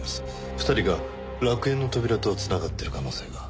２人が楽園の扉と繋がってる可能性が。